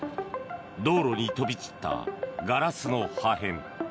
道路に飛び散ったガラスの破片。